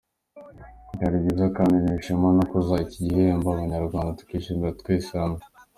Byari byiza kandi ntewe ishema no ku zanira iki igihembo abanyarwanda tukiishimira twese hamwe.